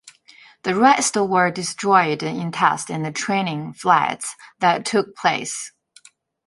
The rest were destroyed in test and training flights that took place.